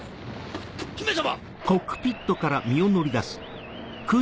姫様！